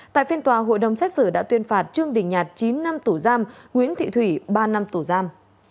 tại phiên tòa hội đồng xét xử đã tuyên phạt trương đình nhạt chín năm tù giam nguyễn thị thủy ba năm tù giam